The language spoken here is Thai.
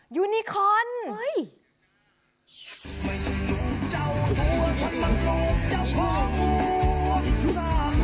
ยูนิคอลโอ้ย